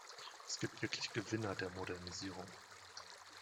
Es gibt wirklich Gewinner der Modernisierung.